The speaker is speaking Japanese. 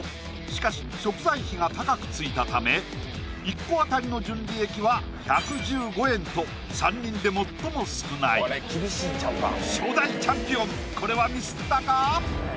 しかし食材費が高くついたため１個当たりの純利益は１１５円と３人で最も少ない初代チャンピオンこれはミスったか？